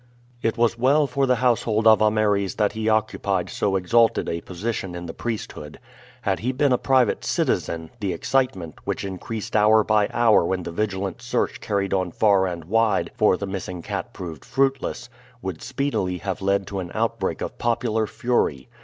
It was well for the household of Ameres that he occupied so exalted a position in the priesthood. Had he been a private citizen, the excitement, which increased hour by hour when the vigilant search carried on far and wide for the missing cat proved fruitless, would speedily have led to an outbreak of popular fury.